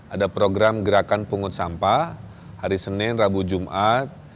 ada program gerakan pungut sampah hari senin rabu jumat